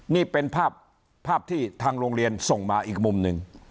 นี่เป็นภาพที่ทางโรงเรียนส่งมาอีกมุมหนึ่ง